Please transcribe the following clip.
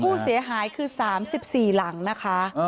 ผู้เสียหายคือ๓๔หลังนะคะ